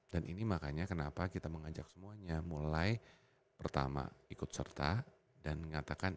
dan ini makanya kenapa kita mengajak semuanya mulai pertama ikut serta dan mengatakan